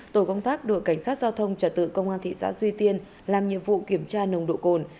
tổ công tác đội cảnh sát giao thông trả tự công an thị xã duy tiên làm nhiệm vụ kiểm tra nồng độ cồn